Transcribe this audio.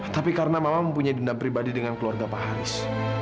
tapi karena mama mempunyai dendam pribadi dengan keluarga pak haris